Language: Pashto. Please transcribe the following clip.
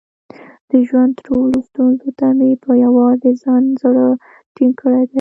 د ژوند ټولو ستونزو ته مې په یووازې ځان زړه ټینګ کړی دی.